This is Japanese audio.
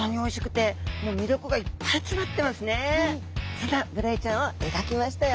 そんなブダイちゃんを描きましたよ。